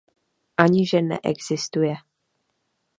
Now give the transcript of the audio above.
Ani že neexistuje.